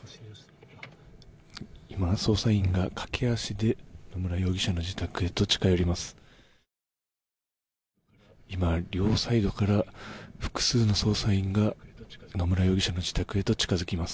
今、捜査員が駆け足で野村容疑者への自宅へと近寄ります。